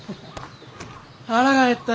腹が減ったよ。